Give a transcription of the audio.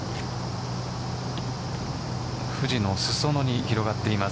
富士の裾野に広がっています。